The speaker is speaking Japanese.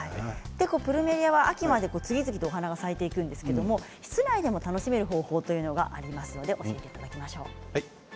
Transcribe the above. プルメリアは秋まで次々と花が咲いていくんですが室内でも楽しめる方法がありますので教えていただきましょう。